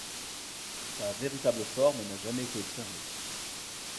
Sa véritable forme n'a jamais été observée.